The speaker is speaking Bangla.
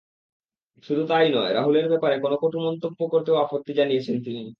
শুধু তা-ই নয়, রাহুলের ব্যাপারে কোনো কটু মন্তব্য করতেও আপত্তি জানিয়েছেন তিনি।